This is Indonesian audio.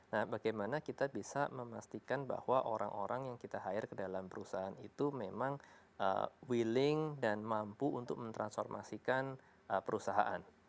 nah bagaimana kita bisa memastikan bahwa orang orang yang kita hire ke dalam perusahaan itu memang willing dan mampu untuk mentransformasikan perusahaan